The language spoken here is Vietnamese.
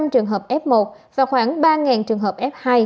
ba trăm linh trường hợp f một và khoảng ba trường hợp f hai